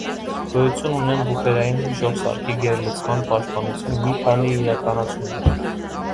Գոյություն ունեն բուֆերային հիշող սարքի գերլցման պաշտպանության մի քանի իրականացումներ։